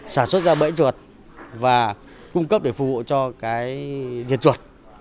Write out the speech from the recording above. sản xuất ra bẫy chuột và cung cấp để phù hộ cho cái diệt chuột